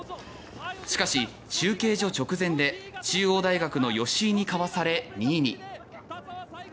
しかし、中継所直前で中央大学の吉井にかわされ２位に。